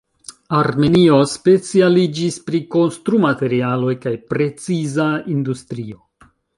Armenio specialiĝis pri konstrumaterialoj kaj preciza industrio.